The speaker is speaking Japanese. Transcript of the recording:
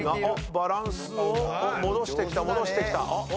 バランスを戻してきた戻してきた！